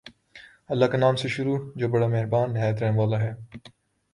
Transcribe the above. اللہ کے نام سے شروع جو بڑا مہربان نہایت رحم والا ہے